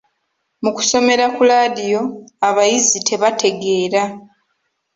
Mu kusomera ku laadiyo abayizi tebategeera.